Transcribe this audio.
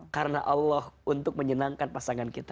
karena allah untuk menyenangkan pasangan kita